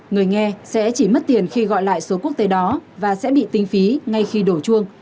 người nghe sẽ chỉ mất tiền khi gọi lại số quốc tế đó và sẽ bị tính phí ngay khi đổ chuông